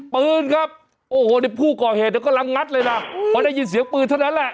ปืนครับโอ้โหนี่ผู้ก่อเหตุกำลังงัดเลยนะพอได้ยินเสียงปืนเท่านั้นแหละ